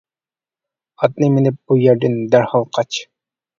ئاتنى مىنىپ بۇ يەردىن دەرھال قاچ.